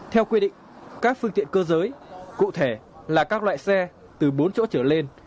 theo quy định các phương tiện cơ giới cụ thể là các loại xe từ bốn chỗ trở lên